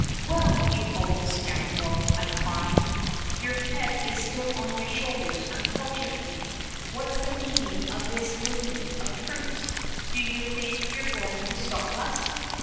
"Well, you old scoundrel," I cried, "your head is still on your shoulders unfortunately. What's the meaning of this movement of troops. Do you think you're going to stop us?"